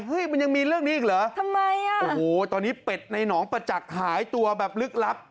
มันยังมีเรื่องนี้อีกเหรอทำไมอ่ะโอ้โหตอนนี้เป็ดในหนองประจักษ์หายตัวแบบลึกลับ